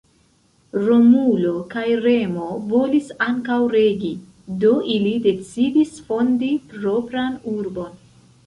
Romulo kaj Remo volis ankaŭ regi, do ili decidis fondi propran urbon.